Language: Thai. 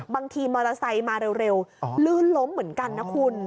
บางทีมอเตอร์ไซค์มาเร็วลื่นล้มเหมือนกันนะคุณ